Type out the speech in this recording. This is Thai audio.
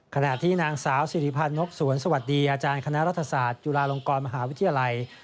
ขนาดที่นางสาวสิหริพานกษวนสวัสดีอาจารย์คณรัฐศาสตร์จุลลองกอยมหาวิทยาลัย